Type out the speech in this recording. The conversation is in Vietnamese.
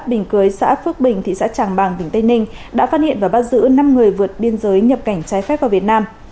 đội miên phòng phước chỉ tỉnh tây ninh phát hiện và bắt giữ năm người vượt biên giới nhập cảnh trái phép vào việt nam